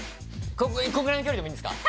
このくらいの距離でもいいんですか？